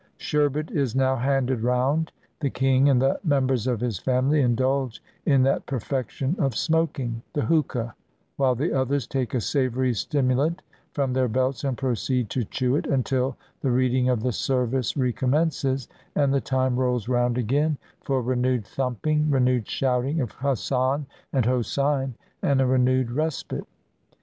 Sherbet is now handed round. The king and the mem bers of his family indulge in that perfection of smoking, — the hookah, — while the others take a savory stimu lant from their belts and proceed to chew it, until the reading of the service recommences, and the time rolls round again for renewed thumping, renewed shouting of "Hassan" and "Hosein," and a renewed respite.